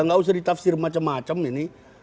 nggak usah ditafsir macam macam ini